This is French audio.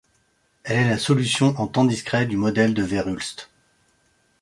Elle est la solution en temps discret du modèle de Verhulst.